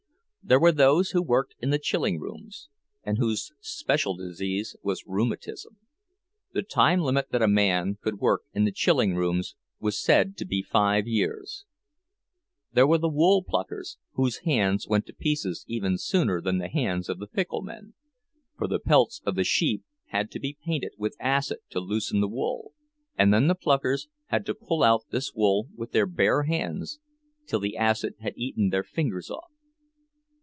There were those who worked in the chilling rooms, and whose special disease was rheumatism; the time limit that a man could work in the chilling rooms was said to be five years. There were the wool pluckers, whose hands went to pieces even sooner than the hands of the pickle men; for the pelts of the sheep had to be painted with acid to loosen the wool, and then the pluckers had to pull out this wool with their bare hands, till the acid had eaten their fingers off.